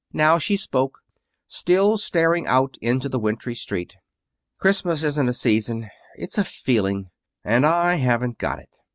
Now she spoke, still staring out upon the wintry street. "Christmas isn't a season. It's a feeling. And I haven't got it."